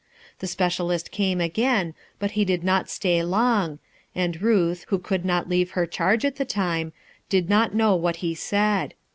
The S pcdali,i came again, but he did not stay long, and Ruth who could not leave her charge at the time, did not know what he said.